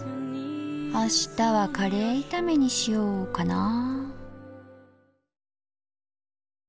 あしたはカレー炒めにしようかなあ。